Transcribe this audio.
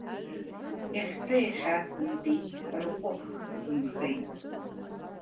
Иахьца-иахьаа сымбеит, рҟәых сзынхеит.